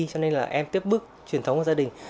cho nên là em tiếp bước truyền thống của gia đình